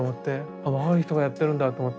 あ若い人がやってるんだと思って。